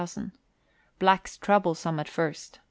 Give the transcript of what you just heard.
Blacks troublesome at first.